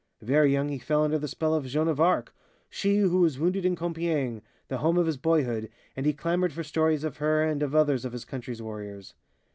Very young he fell under the spell of Joan of Arc, she who was wounded in Compiègne, the home of his boyhood, and he clamored for stories of her and of others of his country's warriors.